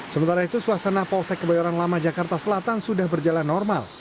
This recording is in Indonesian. sementara itu suasana polsek kebayoran lama jakarta selatan sudah berjalan normal